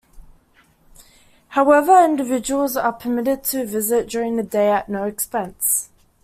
However, individuals are permitted to visit during the day at no expense.